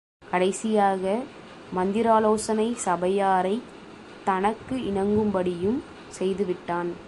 கடைசியாக மந்திராலோசனை சபையாரைத் தனக்கு இணங்கும்படியும் செய்துவிட்டான்.